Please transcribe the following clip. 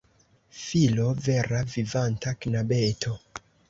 Filo! Vera vivanta knabeto!